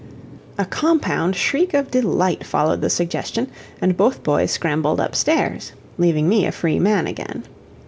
A compound shriek of delight followed the suggestion, and both boys scrambled upstairs, leaving me a free man again.